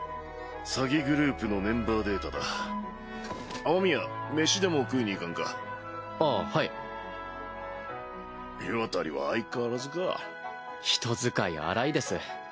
詐欺グループのメンバーデータだ雨宮飯でも食いに行かんかああ火渡は相変わらずか人使い荒いです